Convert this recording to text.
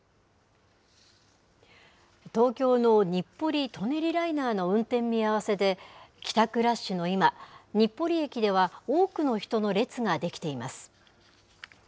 東京の日暮里・舎人ライナーの運転見合わせで、帰宅ラッシュの今、日暮里駅では多くの人の列が出来ています。